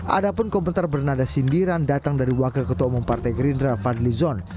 ada pun komentar bernada sindiran datang dari wakil ketua umum partai gerindra fadli zon